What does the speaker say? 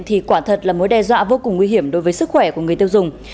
thì quả thật là mối đe dọa vô cùng nguy hiểm đối với sức khỏe của người tiêu dùng